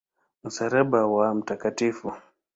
Msalaba wa Mt.